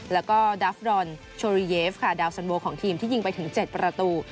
แล้วก็ดาฟรอนโชรีเยฟค่ะดาวสันโวของทีมที่ยิงไปถึง๗ประตู